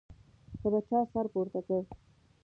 که به چا سر پورته کړ.